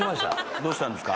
どうしたんですか？